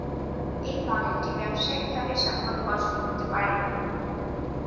এই মডেলটি ব্যবসায়িকভাবে সাফল্য অর্জন করতে পারেনি।